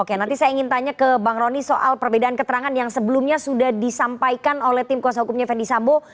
oke nanti saya ingin tanya ke bang roni soal perbedaan keterangan yang sebelumnya sudah disampaikan oleh tim kuasa hukumnya fendi sambo